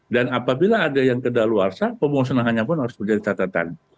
dan apabila ada yang kedaluarsa pemusnahannya pun harus menjadi catatan